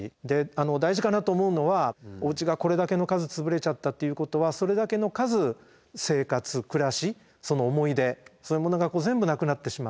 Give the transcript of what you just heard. で大事かなと思うのはおうちがこれだけの数潰れちゃったっていうことはそれだけの数生活暮らしその思い出そういうものが全部なくなってしまって。